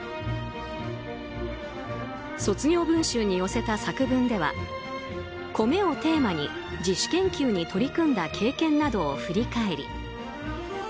卒業文集に寄せた作文では「米」をテーマに自主研究に取り組んだ経験などを振り返り